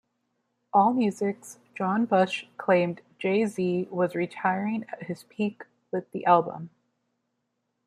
AllMusic's John Bush claimed Jay-Z was retiring at his peak with the album.